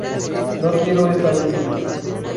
No quiero esta Biblia.